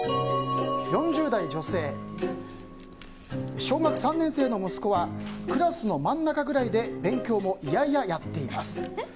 ４０代女性小学３年生の息子はクラスの真ん中くらいで勉強も嫌々やっています。